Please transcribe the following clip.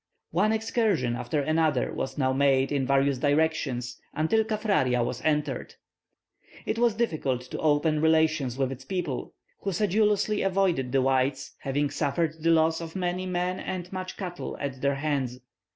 One excursion after another was now made in various directions, until Kaffraria was entered. It was difficult to open relations with its people, who sedulously avoided the whites, having suffered the loss of many men and much cattle at their hands.